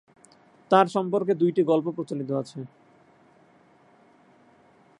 তাঁর সম্পর্কে দুইটি গল্প প্রচলিত আছে।